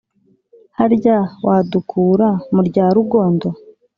harya wadukura mu rya rugondo